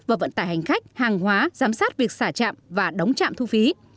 và vận tải hành khách hàng hóa giám sát việc xả trạm và đóng chạm thu phí